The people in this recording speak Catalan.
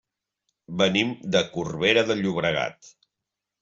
Venim de Corbera de Llobregat.